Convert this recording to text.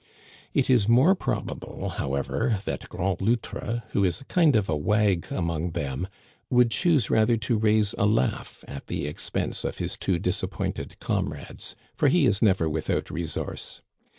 It is more probable, however, that Grand Loutre, who is a kind of a wag among them, would choose rather to raise a laugh at the expense of his two disappointed comrades, for he is never without resource.